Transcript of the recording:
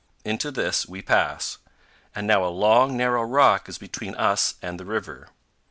Into this we pass; and now a long, narrow rock is between us and the river.